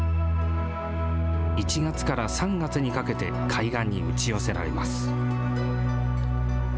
１月から３月にかけて海岸に打ち寄せられます。